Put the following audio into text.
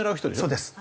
そうです。